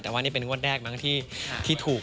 แต่ว่านี่เป็นงวดแรกมั้งที่ถูก